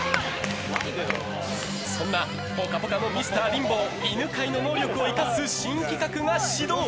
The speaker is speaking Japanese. そんな「ぽかぽか」のミスターリンボー犬飼の能力を生かす新企画が始動。